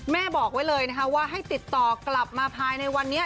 บอกไว้เลยนะคะว่าให้ติดต่อกลับมาภายในวันนี้